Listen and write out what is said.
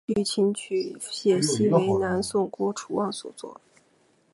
据琴曲解析为南宋郭楚望所作。